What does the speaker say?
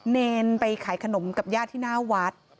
เนรไปขายขนมกับญาติที่หน้าวัด